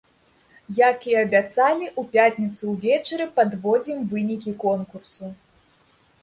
Як і абяцалі, у пятніцу ўвечары падводзім вынікі конкурсу.